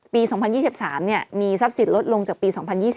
๒๐๒๓มีทรัพย์สินลดลงจากปี๒๐๒๐